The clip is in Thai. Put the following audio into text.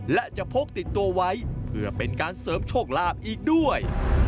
และจะพกติดตัวไว้เพื่อเป็นการเสริมโชคลาภอีกด้วย